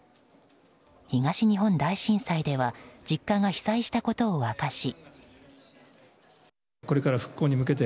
東日本大震災では実家が被災したことを明かし。